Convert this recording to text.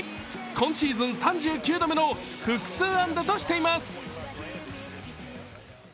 今シーズン３９度目の複数安打としています。